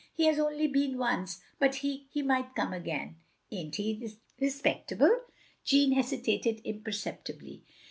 He has only been once. But he — he might come again." "Ain't he respectable?" Jeanne hesitated imperceptibly.